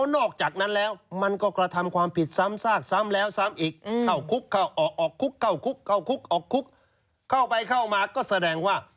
เรามาดูซิว่า